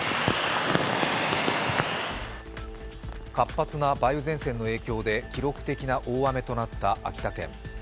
活発な梅雨前線の影響で記録的な大雨となった秋田県。